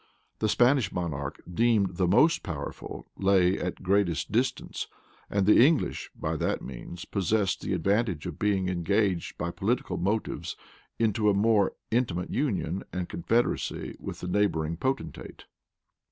The Spanish monarch, deemed the most powerful, lay at greatest distance; and the English, by that means, possessed the advantage of being engaged by political motives into a more intimate union and confederacy with the neighboring potentate.